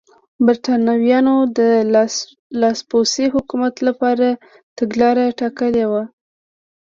برېټانویانو د لاسپوڅي حکومت لپاره تګلاره ټاکلې وه.